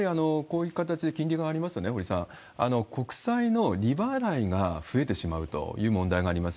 これでやっぱり、こういう形で金利が上がりますとね、掘さん、国債の利払いが増えてしまうという問題があります。